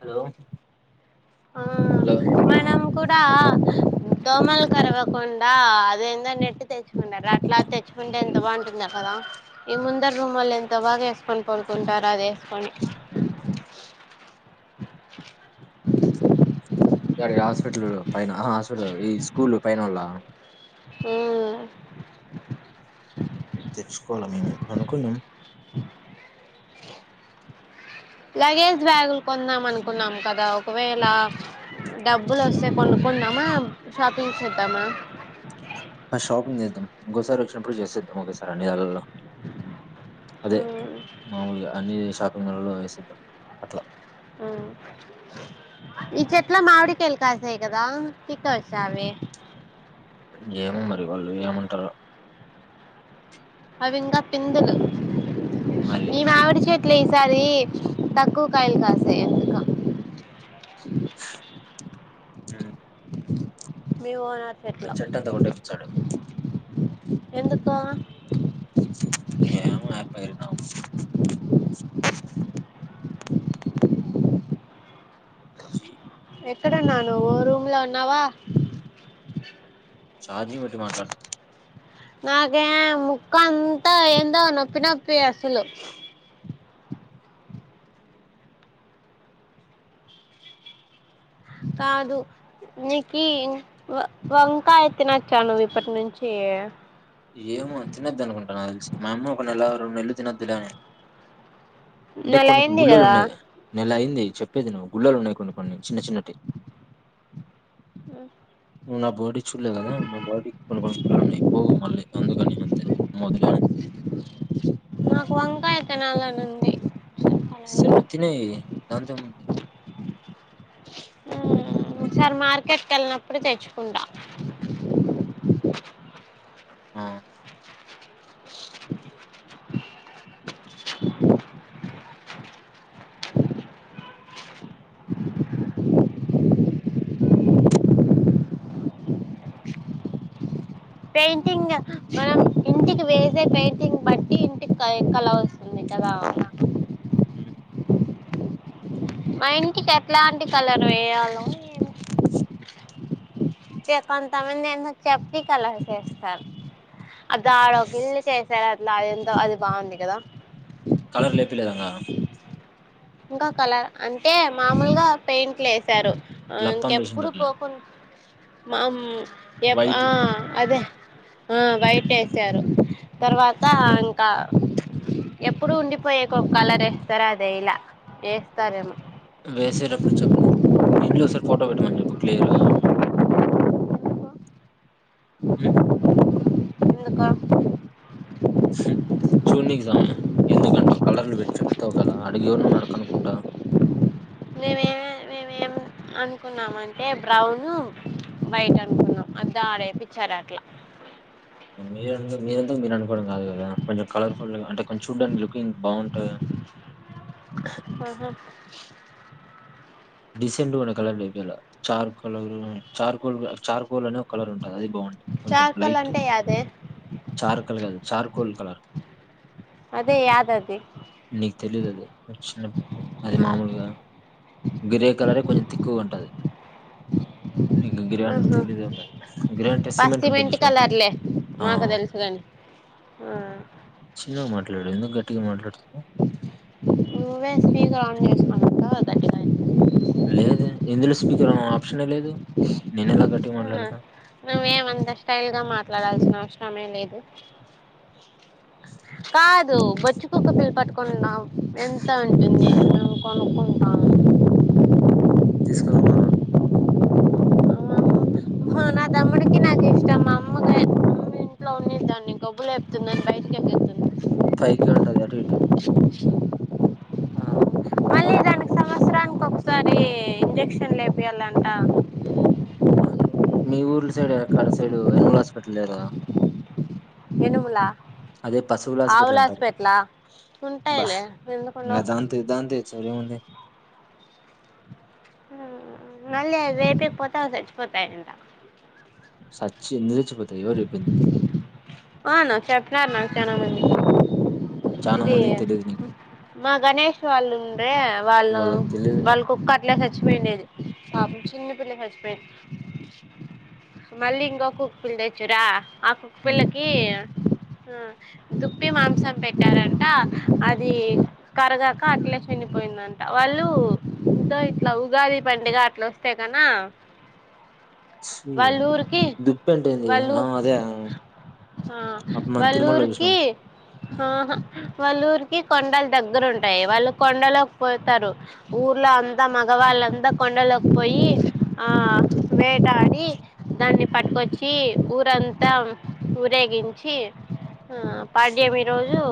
Hello ఆ hello ఆ మనం కూడా దోమలు కరవకుండా అదేందో నెట్టి తెచ్చుకుంటారు అట్లా తెచ్చుకుంటే ఎంత బాటుందో కదా ఈ ముందర రూమొళ్ళు ఎంత బాగా వేసుకొని పనుకుంటారు అది వేసుకొని చరిగ హాస్పిటల్ లో పైన హాస్పిటల్ ఉంది స్కూలు పైనోళ్ళ హ్మ్ తెచ్చుకోవాల మేము అనుకున్య లగేజ్ బ్యాగులు కొందాం అనుకున్నాం కదా ఒకవేళ డబ్బులు వస్తే కొనుకుందామా షాపింగ్ చేద్దామా ఆ షాపింగ్ చేద్దం ఇంగోసారి వచ్చినప్పుడు చేసేద్దాం ఒకేసారి అన్ని దండ్లలల్లో అదే మ్మ్ మామూలుగా అన్ని చేస్ షాపింగ్ మాలల్లో వేసేద్దాం అట్లా ఆ ఇ చెట్లా మావిడి కాయలు కాసినాయి కదా పిక్కోవచ్చా అవి ఏమో మరి వాళ్ళు ఏమంటారో అవింగ పిందులు మరి ఈ మావిడి చెట్ ట్లే ఈసారి తక్కువ కాయలు కాసయ్ ఎందుకో చె [unintelligible] ఒక చెట్టు అంత కొట్టేపించాడు ఎందుక [unintelligible] జి ఎక్కడ ఉన్నావు నువ్వు రూమ్ లో ఉన్నావా ఛార్జింగ్ పెట్టి మాట్లాడు నాకే ముక్క అంతా ఏందో నొప్పి నొప్పి అసలు కాదు నీకి వ వంకా త్తినచ్చా నువ్ ఇప్పటి నుంచి ఏమో తినొద్దు అనుకుంటా నాకు తెలిసి మా అమ్మ ఒక నెల రెండు నెలలు తినొద్దులే అని అంటే నెల కొన్ని అయింది గుళ్ళలు కదా ఉన్నాయి నెల అయింది చెప్పేది ఇను గుళ్ళలు ఉన్నాయి కొన్ని కొన్ని చిన్న చిన్నటివి నువ్వు నా బాడీ చూడలేదు కదా నా బాడీ కొన్ని కొన్ని గుల్లలు ఉన్నాయి పోవు మళ్ళీ ముందుకని అంతే మొదలు అని నాకు వంకాయ తినాలి అంది సరే నువ్వు తినేయి దాంతో ఏముంది సార్ మార్కెట్కి వెళ్ళినప్పుడు తెచ్చుకుంటా ఆ పెయింటింగ్ మనం ఇంటికి వేసే పెయింటింగ్ బట్టి ఇంటికి కల వస్తుం వుండి కదా ఉమ్. మా ఇంటికి ఎట్లాంటి కలర్ వేయలో ఏమో చె కొంతమంది ఏందో చెబ్బి కలర్స్ వేస్తారు దాడ ఒక ఇల్లు కు వేసారు ద ఎంతో అది బాగుంది కదా కలర్లు ఎపిలేద ఇంగ ఇంకా కలర్ అంటే మామూలుగా పాయింట్లు లేసి సారు లప్పం వేసిండు ఇంకెప్పుడు అట్లా పోకుం మామ్ ఎ వైట్ ఆహ్ అదే ఆహ్ వైట్ ట్టేసారు తర్వాత ఇంకా ఎప్పుడు ఉండిపోయే ఒక కలర్ వేస్తారే అది వేయాలా ఏస్తారేమ్ వేసేటప్పుడు చెప్పు మీ ఇండ్లు ఒకసారి ఫోటో పెట్టమని చెప్పు చెప్పు క్లియర్గా ఎందుకు చూన్నీకీ స్వామి ఎందుకంటావు కలర్లు పెట్టీ చెప్తావు కదా అడిగి ఎవనన్నాడు కనుకుంటా మేమేమ మేమేం అనుకున్నామ అంటే బ్రౌను వైట్ అనుకున్నాం దాడ వేపియిచ్చారు అట్లా మీరు మీరంతా మీరు అనుకోవడం కాదు కదా కొంచెం కలర్ఫుల్ అంటే కొంచెం చూడ్డానికి లుకింగ్ బాగుంటె ఆహా డిసెంట్ అనే కలర్ ఇపో చార్ colour charcoal charcoal అనే కలర్ ఉంటుంది అది బాగుంటుంది కొంచెం చార్కల్ లైట్ అంటే అదే చార్కల్ కాదు చార్కోల్ కలర్ అదే యాదది నీకు తెలీదు అది చిన్నప్పు అది మామూలుగా గ్రే కలర్ ఏ కొంచెం థిక్ గా ఉంటుది నీకు గ్రే అంటే ఆహా తెలీదేమో గ్రే అంటే సిమెంట్ పస్తి ఉంటాది మెంటి చూస్నావా కలర్లే మాకు ఆ తెలుసు కాని ఆ చిన్నగా మాట్లాడు ఎందుకు గ మాట్లాడ నువ్వే స్పీకర్ ఆన్ చేసినావా అంటా లేద ఇంగ్లిష్ స్పీకర్ ఆప్ష నువ్వేమంత స్టైల్ గా మాట్లాడాల్సిన అవస సమయం లేదు కా బొచ్చు కుక్క పిల్ల పట్టుకున్నాం ఎంత ఉంటుంది మేము కొనుక్కుంటం తీసుకుదమా నా తమ్ముడికి నాకు ఇష్టం మా అమ్మకే అమ్మ ఇంట్లో ఉన్ని దాన్ని గబ్బు లేపుతుంది బయటకి ఎతుంది పైకే ఉంటాది అటు ఇటు మళ్ళీ దానికి సంవత్సరానికి ఒకసారి ఇంజెక్షన్లూ లేపియాలంట మీ ఊర్ల సైడ్ ఎక్కడ సైడు యానిమల్ హాస్పిటల్ లేదా ఎనుములా అదే పశువుల ఆ ఆవుల హాస్పిటల్ అంటారు హాస్పిటలా ఉంటాయిలే ఎందుకు ఇంగ ఉండవ్ దాంతో దాంతో సార్ ఏముంది మళ్ళీ రేపే పోతావ్ సచ్చిపోతాయి అంటా సచ్చింది అవును చెప్పినారు నాకు చనా మంది చనా ఇది మందికి తెలియదు నీకు మా గణేష్ వాళ్ళుండే వాళ్ళు వాళ్ళకి తెలియదులే వాళ్ళ కుక్క అట్లే సచ్చి సచ్చిపోయిండెది పాపం చిన్నపిల్ల సచ్చిపోయిండెది మళ్ళీ ఇంకొ కుక్క పిల్ల తెచ్చిరా ఆ కుక్క ఉమ్. పిల్లకి దుప్పి మాంసం పెట్టారంట అది కరగాక అట్లే చనిపోయిందంట వాళ్ళు దో ఇట్లా ఉగాది పండుగ అట్లా వస్తే కన ఛీ వాళ్ల ఊరికి దుప్పి అంటే ఏంది వాళ్లు ఆ అదే ఆ అప్పుడు మనం వాళ్ల తిరుమలలో చూసినాం ఊరికి హాఆ వాళ్ల ఊరికి ఇ కొండల్ దగ్గరుంటాయి వాళ్ళు కొండలోకి పోతారు ఊర్లో అంతా మగవాళ్ళంతా కొండలోకి పోయి ఆ వేటాడి దాన్ని పట్టుకొచ్చి ఊరంతా ఊరేగించి ఆ పాడ్యామి రోజు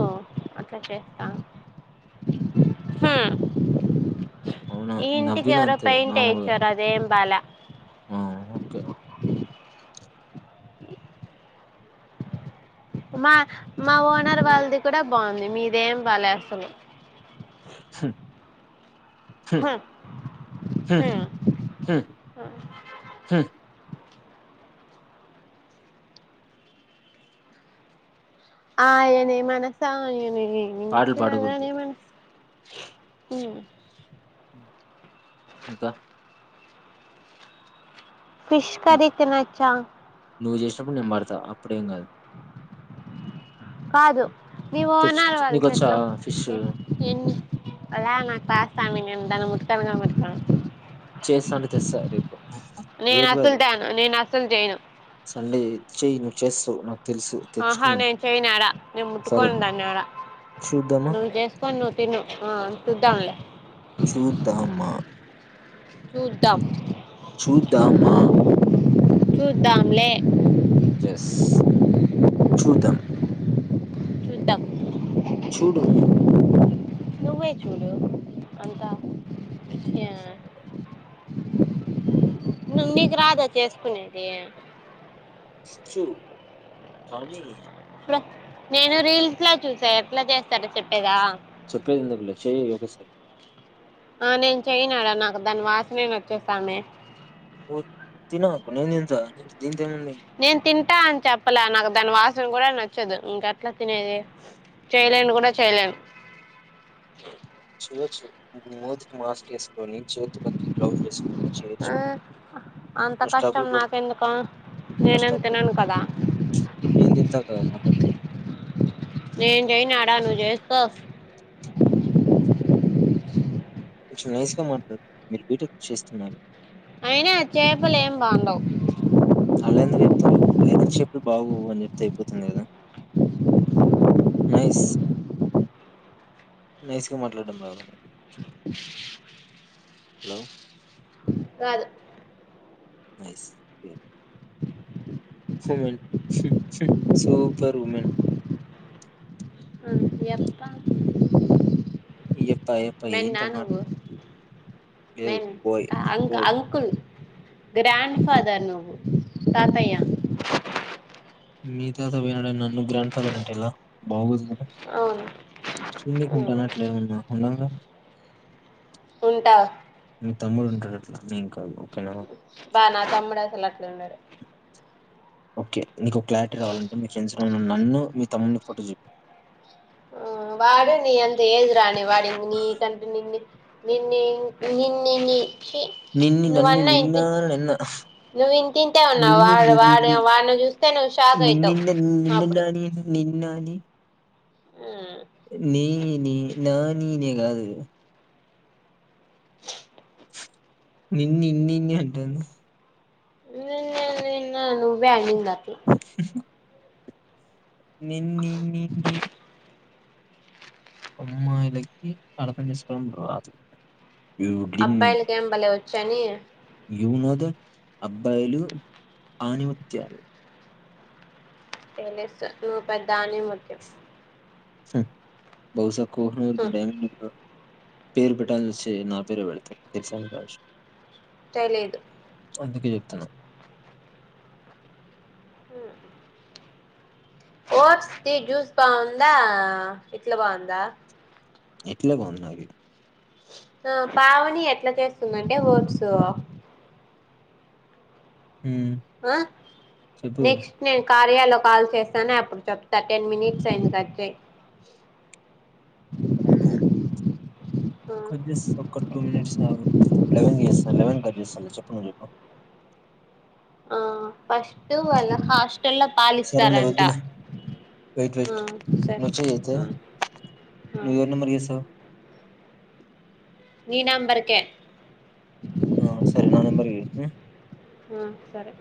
అట్లా చేస్తా హ్మ్ అవునా ఈ ఇంటికి నవ్వినా ఎవరో అంతే పెయింట్ నార్మల్గా ఏయిచ్చారు అదేం బాలే. ఆ ఓకే మా మా ఓనర్ వాల్ది కూడా బావుంది మీదేం బాలే అస్సలు హ్మ్, హ్మ్, హ్మ్ హ్మ్, హ్మ్ హ్మ్, హ్మ్. ఆయనే మనసాయనే ఏ నిన్ను పాటలు పాడకూడదు చూడగానే మన హ్మ్ ఇంకా ఫిష్ ను- కర్రీ తినొచ్చా నువ్వు జేసినప్పుడు నేను పడతా అప్పుడేం గాదు కాదు నీ తెచ్చు వోనాలు వాళ్ళ నీకొచ్చా చెట్లం ఫిష్ ఎన్ని అలా నాకు కాస్తామి నే దాని కనగామ [unintelligible] చేస్తా అంటే తెస్తా రేపు నేను రేపు అసలు కాదు తాను నేను అసలు చేయను సండే చెయ్ చేస్తవ్ న ఆహా నేను చెయ్యను యాడ నే సరే ముట్టుకొను దాన్నీ యాడ చూద్దామా నువ్వు చేసుకోని నువ్వు తిను ఆ చూద్దాం లే చూద్దామా చూద్దాం చూద్దామా సూద్దాంలే యస్ చూద్దాం చూద్దాం చూడుము నువ్వే చూడు అంతా వెదర్ ఇట్స్ ను మీకు రాదా చేసుకునేది చ్చు కానీ నేను రీల్స్ లా చూసా ఎట్లా చేస్తారో చెప్పేదా చెప్పేది ఎందుకులే చెయ్యి ఒకేసారి ఆ నేను చెయన్యాడా నాకు దాని వాసనే నచ్చదు సామి ఊ తినకు నేను తింతా నేను తింటా అని చెప్పలే నాకు దాని వాస్ సనా కూడా నచ్చదు ఇంక అట్ల తినేది చేయలేను కూడా చేయలేను చేయొచ్చు మూతికి మాస్క్ ఎస్ కొని చేతులకి గ్లౌస్ ఏసుకొని చేయొచ్చు ఆ అంత ను కష్టం స్ట్రగుల్ పడు నాకెందుకు నేనేం కష్టం పడు తినను కదా ఏందింతా కదాబట్ కో కొంచెం నైస్ గా మాట్లాడు మీరు బీ టెక్ చేస్తున్నారు అయినా చేపలు ఏం బాగుండవు అళ్ళ ఎందుకు చెప్తారు అయినా చెప్పుడు బాగోవు అని చెప్తే అయిపోతుంది కదా నైస్ నైస్గా మాట్లాడడాం రాదా న [inaudible] హలో రాదు బెస్ట్ హ్యూమన్ సూపర్ ఉమెన్. ఎప్ప పై ఆ పై ఏంటమ మే అ ఆ అంకుల్ గ్రాండ్ ఫాదర్ నువ్వు తాతయ్య మీ తాత పోయినాడని నన్ను గ్రాండ్ ఫాదర్ అంటే ఎలా బాగోదు. అవును చున్నీకిఉంటానట్లేమన్న ఉండంగా. ఉంటా.. మీ తమ్ముడు ఉంటాడు అట్లా నేను కాదు. ఓకేనా బా నా తమ్ముడు అసలు అట్లా ఉండడు. ఓకే.. మీకు ఒక క్లారిటీ రావాలంటే మీ ఫ్రెండ్స్ నన్ను మీ తమ్ముని ఫోటో చూపియ్ వాడూ నీ అంత ఏజీ రాని వాడు నీకంటే నిన్నే నిన్నే నిన్నే చీ నిన్ని నన్ని నువ్వన్నా నిన్న ఇంత నిన్న నువ్వు ఇంకా ఇంతే ఉన్నావు. నిన్ని వాడు వాడు నిన్ని వాడిని చూస్తే నువ్వు షాక్ అయితావు. నిన్నిన్న నిన్న అప్పుడు నాని నీ... నే.... నా.... నీనే...... నిన్నినిన్ నినె అంటందా నినే నినే నువ్వే నేనే నిన్ న్నిన నిన్ అమ్మాయిలకి అర్థం చేసుకోవడం రాదు. యు అబ్బాయిలకన బలే వచ్ శని యు నో దట్ అబ్బాయిలు ఆణిముత్యాలు. తెలుసు నువ్వు పెద్ద అనిముత్యం. బౌసా కోహినూర్ డైమండ్ పేరు పెట్టాల్సి వస్తే నా పేరె పెడతా యశ్వంత్ రాజ్ తెలీదు అందుకే చెప్తున్న హ్మ్ ఓట్స్ ది జూస్ బాగుందా ఇట్లా బాగుందా ఇట్లే బావుంది నాకి హు పావని ఎట్ల చేస్తుందంటే ఓట్సు హ్మ్, ఆ చెప్పు నెక్స్ట్ నేను కర్ ర్యాలో కాల్స్ చేస్తానే అప్పుడు చెప్తా టెన్ మినిట్స్ అయింది కట్ చెయ్ అవునా ఆ కట్ చేస్తా ఒక టూ మినిట్స్ ఆగు లెవెన్ కి జేస్త లెవెన్ కి కట్ చేస్తా [unintelligible] చెప్పా అ ఫస్టు వాళ్ళ హాష్ సరేలె వద్దులే వెయిట్ వెయిట్ ఆ సరే నువ్వు చెయ్యి అయితే ఆ ఆ నువ్వు ఎవరి నంబర్ కి చేస్తావ్ ఈ నంబర్కే ఆ సరే నా నెంబర్ కి చెయ్ హ్మ్ ఆ సరే